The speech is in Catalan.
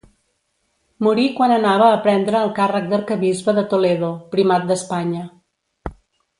Morí quan anava a prendre el càrrec d'Arquebisbe de Toledo, primat d'Espanya.